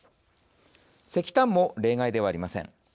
石炭も例外ではありません。